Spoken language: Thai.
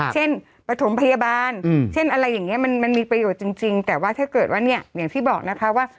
ปฐมพยาบาลเช่นอะไรอย่างนี้มันมีประโยชน์จริงแต่ว่าถ้าเกิดว่าเนี่ยอย่างที่บอกนะคะว่า